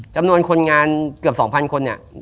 จำนวนคนงานเกือบ๒๐๐คนเนี่ย